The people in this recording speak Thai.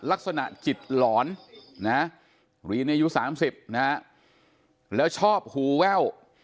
ลักษณะจิตหลอนนะรีนอายุ๓๐นะฮะแล้วชอบหูแว่ว